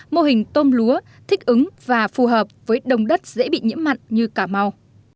mô hình tôm lúa thích ứng và phù hợp với đồng đất dễ bị nhiễm mặn như cà mau